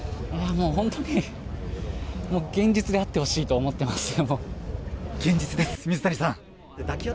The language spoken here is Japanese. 本当に現実であってほしいと思っていますね。